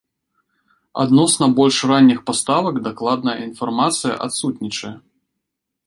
Адносна больш ранніх паставак дакладная інфармацыя адсутнічае.